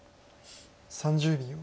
３０秒。